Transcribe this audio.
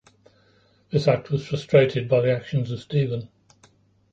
This act was frustrated by the actions of Stephen.